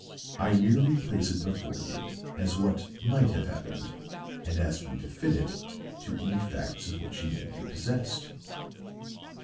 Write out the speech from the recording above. I merely place it before you as what might have happened and ask you to fit it to any facts of which you may be possessed.